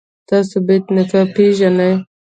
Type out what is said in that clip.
تاسو بېټ نیکه پيژنئ.